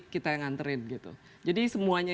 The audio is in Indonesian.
kita yang nganterin gitu jadi semuanya